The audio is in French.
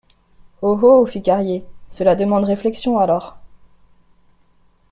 Oh ! oh ! fit Carrier, cela demande réflexion alors.